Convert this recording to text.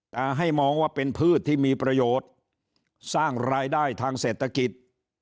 แต่ให้มองว่าเป็นพืชที่มีประโยชน์สร้างรายได้ทางเศรษฐกิจ